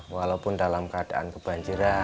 walaupun dalam keadaan kebanjiran